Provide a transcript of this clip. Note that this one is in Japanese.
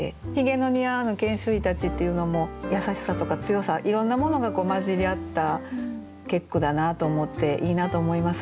「髭の似合わぬ研修医たち」っていうのも優しさとか強さいろんなものが混じり合った結句だなと思っていいなと思います。